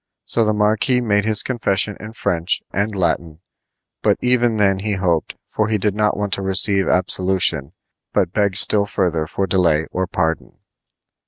So the marquis made his confession in French and Latin, but even then he hoped; for he did not wait to receive absolution, but begged still further for delay or pardon.